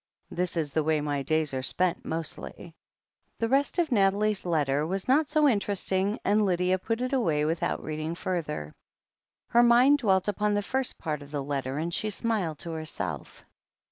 This is the way my days are spent, mostly " The rest of Nathalie's letter was not so interesting, and Lydia put it away without reading further. Her mind dwelt upon the first part of the letter, and she smiled to herself.